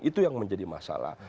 itu yang menjadi masalah